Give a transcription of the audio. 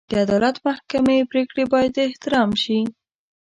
د عدالت محکمې پرېکړې باید احترام شي.